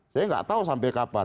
saya nggak tahu sampai kapan